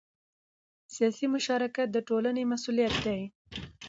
سیاسي مشارکت د ټولنې مسؤلیت دی